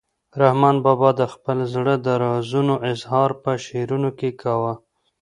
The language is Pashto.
رحمان بابا د خپل زړه د رازونو اظهار په شعرونو کې کاوه.